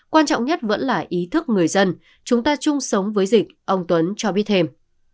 quan trọng nhất vẫn là ý thức người dân chúng ta chung sống với dịch ông tuấn cho biết thêm